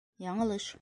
Яңылыш...